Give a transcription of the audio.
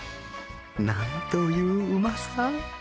なんといううまさ